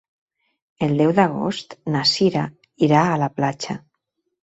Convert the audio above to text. El deu d'agost na Sira irà a la platja.